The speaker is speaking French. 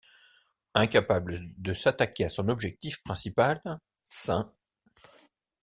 Incapable de s'attaquer à son objectif principal, St.